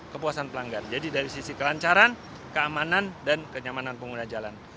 kepuasan pelanggan jadi dari sisi kelancaran keamanan dan kenyamanan pengguna jalan